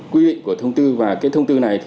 quy định của thông tư và cái thông tư này